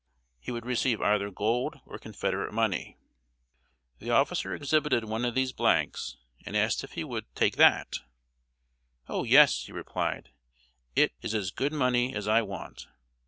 He would receive either gold or Confederate money. The officer exhibited one of these blanks, and asked if he would take that. "O yes," he replied; "it is as good money as I want!"